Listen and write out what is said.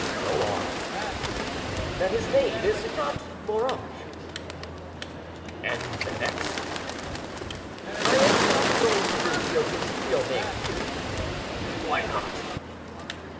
"Go on." "That his name is not Moranges." "And the next?" "I am not going to reveal his real name to you." "Why not?"